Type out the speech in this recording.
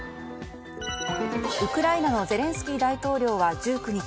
ウクライナのゼレンスキー大統領は１９日